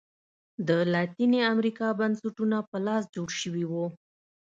د لاتینې امریکا بنسټونه په لاس جوړ شوي وو.